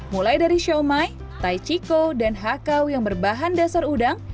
mulai dari shumai tai chiko dan hakau yang berbahan dasar udang